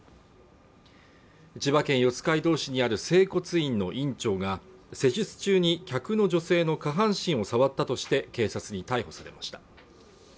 千葉県四街道市にある整骨院の院長が施術中に客の女性の下半身を触ったとして警察に逮捕されました